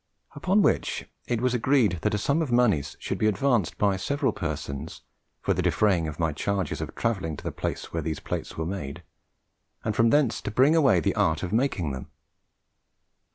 Upon which it was agreed that a sum of monies should be advanced by several persons, for the defraying of my charges of travelling to the place where these plates are made, and from thence to bring away the art of making them.